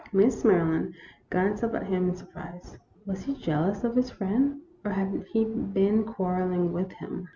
Miss Maryland glanced up at him in surprise. Was he jealous of his friend, or had he been quarrelling with him